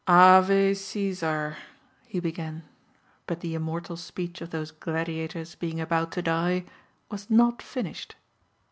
"Ave Cæsar " he began. But the immortal speech of those gladiators being about to die was not finished.